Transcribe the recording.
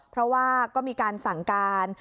เพราะว่าก็มีการสั่งการ